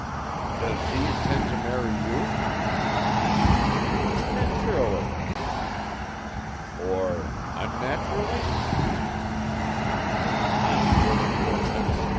"Does she intend to marry you?" "Naturally." "Or unnaturally?" "Confound your impertinence!"